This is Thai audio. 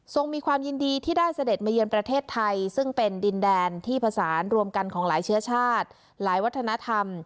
มีความยินดีที่ได้เสด็จมาเยือนประเทศไทยซึ่งเป็นดินแดนที่ผสานรวมกันของหลายเชื้อชาติหลายวัฒนธรรม